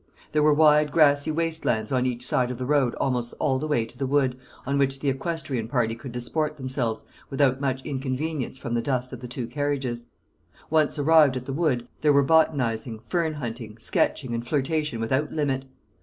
There were wide grassy waste lands on each side of the road almost all the way to the wood, on which the equestrian party could disport themselves, without much inconvenience from the dust of the two carriages. Once arrived at the wood, there were botanising, fern hunting, sketching, and flirtation without limit.